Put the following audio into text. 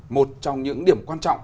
một trong những điểm quan trọng